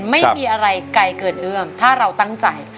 ไม่มีอะไรไกลเกินเอื้อมถ้าเราตั้งใจ